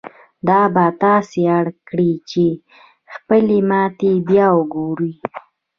دا به تاسې اړ کړي چې خپلې ماتې بيا وګورئ.